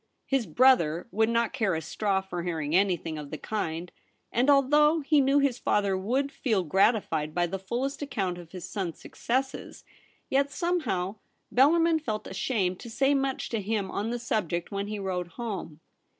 His brother would not care a straw for hearing anything of the kind ; and although he knew his father would feel gratified by the fullest accounts of his son's success, yet some how Bellarmin felt ashamed to say much to him on the subject when he wrote home.